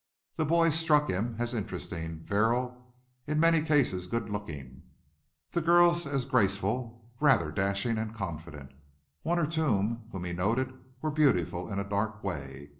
The boys struck him as interesting, virile, in many cases good looking; the girls as graceful, rather dashing and confident. One or two whom he noted were beautiful in a dark way.